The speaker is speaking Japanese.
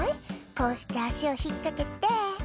こうして足を引っ掛けて」